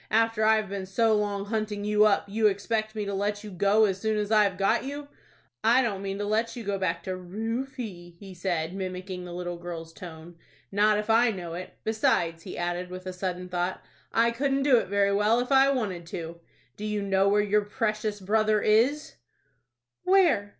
"After I've been so long hunting you up, you expect me to let you go as soon as I've got you. I don't mean to let you go back to Rufie," he said, mimicking the little girl's tone,—"not if I know it. Besides," he added, with a sudden thought, "I couldn't do it very well if I wanted to. Do you know where your precious brother is?" "Where?"